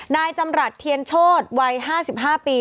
นายจำรัฐเทียนโชธวัย๕๕ปี